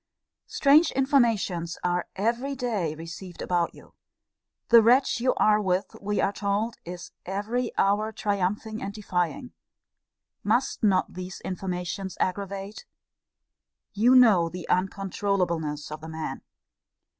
Strange informations are every day received about you. The wretch you are with, we are told, is every hour triumphing and defying Must not these informations aggravate? You know the uncontroulableness of the man.